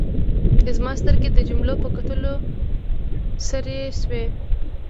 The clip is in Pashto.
زما سترګې د جملو په کتلو سرې شوې.